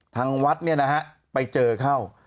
ทางวัดไปเจอเข้า